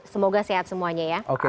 semoga sehat semuanya ya